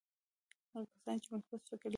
هغه کسان چې مثبت فکر لري.